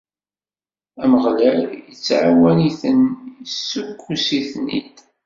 Ameɣlal ittɛawan-iten, issukkus-iten-id.